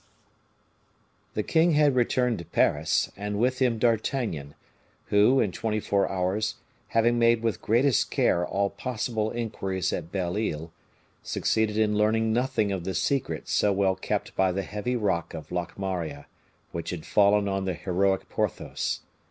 The king had returned to Paris, and with him D'Artagnan, who, in twenty four hours, having made with greatest care all possible inquiries at Belle Isle, succeeded in learning nothing of the secret so well kept by the heavy rock of Locmaria, which had fallen on the heroic Porthos.